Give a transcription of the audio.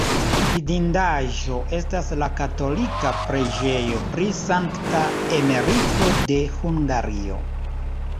Vidindaĵo estas la katolika preĝejo pri Sankta Emeriko de Hungario.